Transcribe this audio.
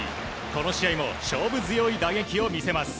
この試合も勝負強い打撃を見せます。